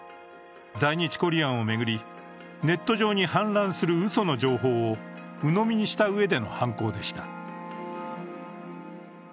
在日コリアンを巡り、ネット上に氾濫するうその情報をうのみにした上での犯行でした。